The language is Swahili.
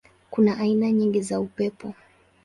Kuna aina nyingi za upepo.